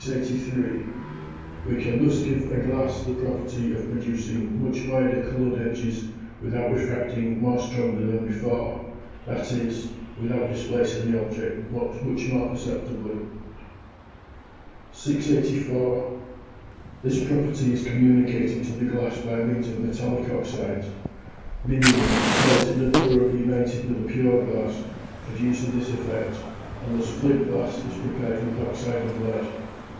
We can thus give a glass the property of producing much wider coloured edges without refracting more strongly than before, that is, without displacing the object much more perceptibly. 684. This property is communicated to the glass by means of metallic oxydes. Minium, melted and thoroughly united with a pure glass, produces this effect, and thus flint glass (291) is prepared with oxyde of lead.